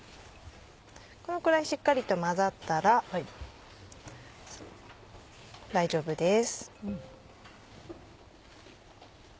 このくらいしっかりと混ざったら大丈夫です。